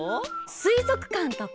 すいぞくかんとか。